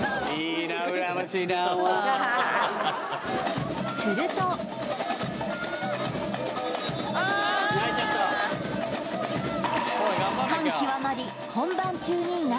いいなすると感極まり本番中に涙